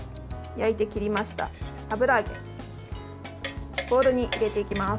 焼いて切りました油揚げボウルに入れていきます。